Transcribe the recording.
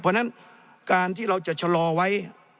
เพราะฉะนั้นการที่เราจะชะลอไว้